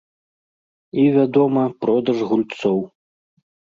І, вядома, продаж гульцоў.